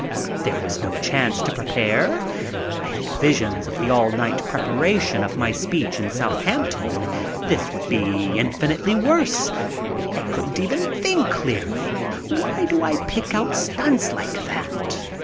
There was no chance to prepare. I had visions of the all night preparation for my speech in Southampton. This would be infinitely worse. I couldn't even think clearly. Why do I pick out stunts like that?